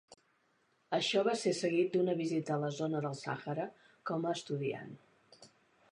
Això va ser seguit d'una visita a la zona del Sàhara com a estudiant.